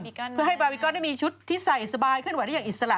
เพื่อให้บาร์บิก็อนได้มีชุดที่ใส่สบายขึ้นไว้ได้อย่างอิสระ